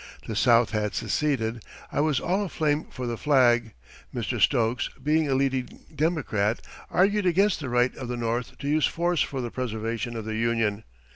The South had seceded. I was all aflame for the flag. Mr. Stokes, being a leading Democrat, argued against the right of the North to use force for the preservation of the Union.